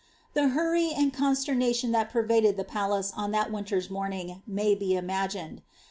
'' The hurry and constematioB that pcmded the palae» oii tfait winter^ morning may be imagined.